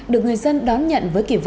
được người dân đón nhận với kỳ vụ tổ chức